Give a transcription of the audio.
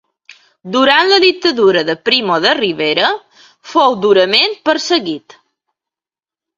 Durant la Dictadura de Primo de Rivera fou durament perseguit.